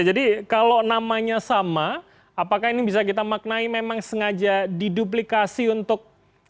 jadi kalau namanya sama apakah ini bisa kita maknai memang sengaja diduplikasi untuk